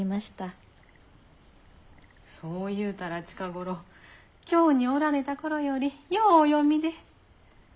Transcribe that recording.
そういうたら近頃京におられた頃よりようお詠みで。